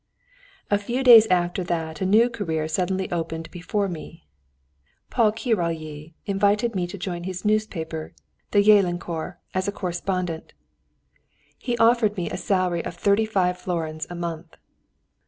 A few days after that, a new career suddenly opened before me. Paul Királyi invited me to join his newspaper, the Jelenkor, as a correspondent. He offered me a salary of thirty five florins a month.